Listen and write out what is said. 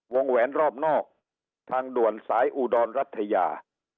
แหวนรอบนอกทางด่วนสายอุดรรัฐยา